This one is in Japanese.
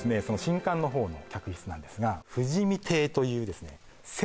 その新館のほうの客室なんですが富士見亭というですね